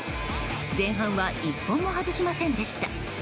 前半は１本も外しませんでした。